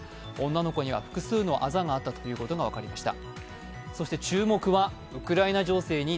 女の子には複数のあざがあったことが分かりました。